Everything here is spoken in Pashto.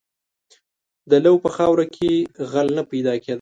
• د لو په خاوره کې غل نه پیدا کېده.